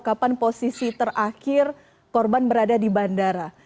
kapan posisi terakhir korban berada di bandara